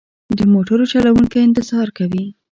د موټر چلوونکی انتظار کوي.